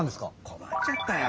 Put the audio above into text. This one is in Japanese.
こまっちゃったよ。